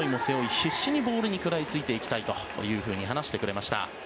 必死にボールに食らいついていきたいと話してくれました。